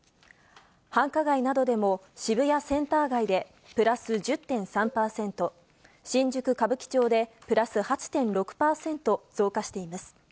繁華街などでも渋谷センター街でプラス１０．３％、新宿・歌舞伎町でプラス８．６％増加しています。